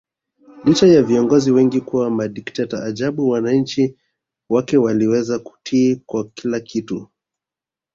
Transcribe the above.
Licha ya viongozi wengi kuwa madikteta ajabu wananchi wake waliweza kutii kwa kila kitu